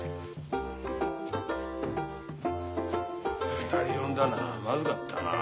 ２人呼んだのはまずかったな。